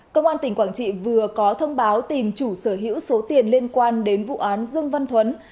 công an tỉnh quảng trị vừa có thông báo tìm chủ sở hữu số tiền liên quan đến vụ án dương văn thuấn